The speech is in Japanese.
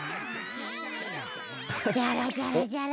ジャラジャラジャラ。